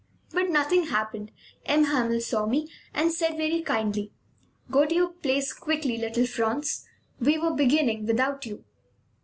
But nothing happened, M. Hamel saw me and said very kindly: "Go to your place quickly, little Franz. We were beginning without you."